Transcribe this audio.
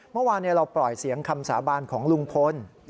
เมื่อวานเราปล่อยเสียงคำสาบานของลุงพล